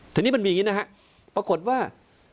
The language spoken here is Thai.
ทีนี้มันมีอย่างนี้นะฮะปรากฏว่า